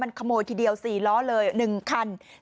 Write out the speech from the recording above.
ขโมยทีเดียว๔ล้อเลย๑คัน